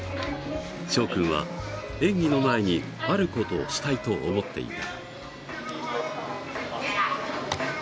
しょう君は演技の前にあることをしたいと思っていた。